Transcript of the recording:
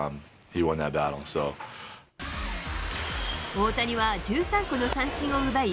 大谷は１３個の三振を奪い、